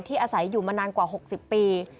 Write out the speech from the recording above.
อาศัยอยู่มานานกว่า๖๐ปี